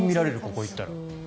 ここに行ったら。